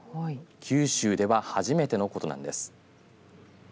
九州では初めてのことなんです。